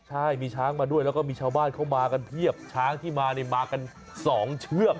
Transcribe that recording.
ใช่มีช้างมาด้วยแล้วก็มีชาวบ้านเข้ามากันเพียบช้างที่มาเนี่ยมากันสองเชือก